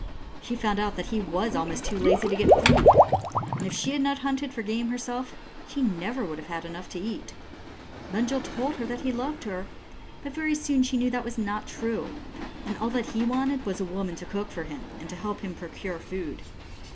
She found out that he was almost too lazy to get food, and if she had not hunted for game herself, she would never have had enough to eat. Bunjil had told her that he loved her, but very soon she knew that this was not true, and that all he had wanted was a woman to cook for him and help him procure food.